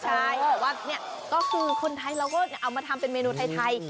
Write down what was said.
ใช่แต่ว่านี่ก็คือคนไทยเราก็เอามาทำเป็นเมนูไทย